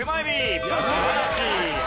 素晴らしい。